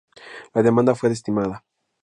La demanda fue desestimada.